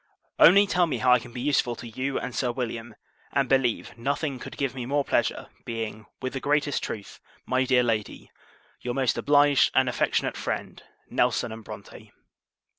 Only tell me, how I can be useful to you and Sir William; and believe, nothing could give me more pleasure: being, with the greatest truth, my dear Lady, your most obliged and affectionate friend, NELSON & BRONTE.